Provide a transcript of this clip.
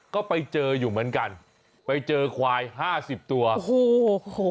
ก็ไปเจออยู่เหมือนกันไปเจอควายห้าสิบตัวโอ้โห